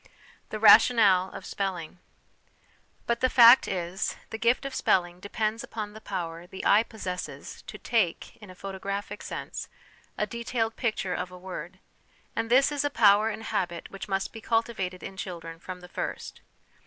The Rationale of Spelling. But the fact is, the gift of spelling depends upon the power the eye possesses to ' take ' (in a photographic sense) a detailed picture of a word ; and this is a power and habit which must be cultivated in children from the first.